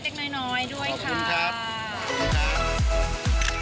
ขอบคุณครับ